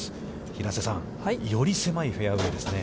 平瀬さん、より狭いフェアウェイですね。